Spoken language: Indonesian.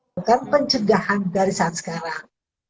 bukan pencegahan dari saat sekarang